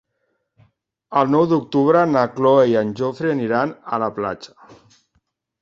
El nou d'octubre na Cloè i en Jofre aniran a la platja.